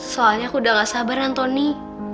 soalnya aku udah gak sabar antoni